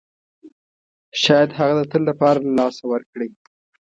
شاید هغه د تل لپاره له لاسه ورکړئ.